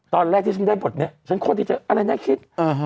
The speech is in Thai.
ตอนแรกที่ฉันได้บทเนี้ยฉันโคตรดีใจอะไรเนี้ยคิดอือฮะ